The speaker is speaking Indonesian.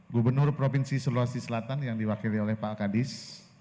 gubernur provinsi sulawesi selatan yang diwakili oleh pak kadis